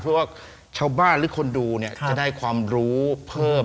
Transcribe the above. เพราะว่าชาวบ้านหรือคนดูเนี่ยจะได้ความรู้เพิ่ม